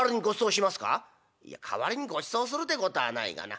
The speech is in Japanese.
「いや代わりにごちそうするてことはないがな。